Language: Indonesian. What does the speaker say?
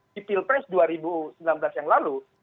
di pilpres dua ribu sembilan belas yang lalu